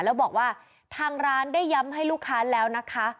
แล้วบอกว่าทางร้านได้ย้ำให้ลูกค้าแล้วนะคะ